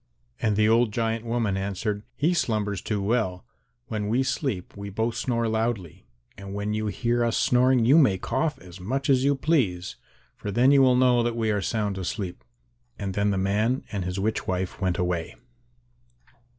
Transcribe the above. And the old giant woman answered, "He slumbers too well. When we sleep we both snore loudly, and when you hear us snoring you may cough as much as you please, for then you will know that we are sound asleep." Then the man and his witch wife went away.